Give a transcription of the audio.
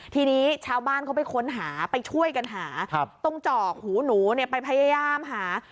ทีนี้ชาวบ้านเขาไปค้นหาไปช่วยกันหาตรงจอกหูหนูเนี่ยไปพยายามหา